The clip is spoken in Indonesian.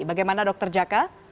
bagaimana dokter jaka